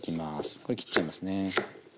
これ切っちゃいますね。